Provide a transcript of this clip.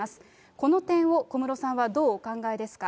このてんをこむろさんはどうお考えですか。